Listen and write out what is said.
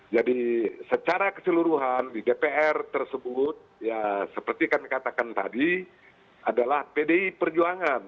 jadi secara keseluruhan di dpr tersebut ya seperti kami katakan tadi adalah pdi perjuangan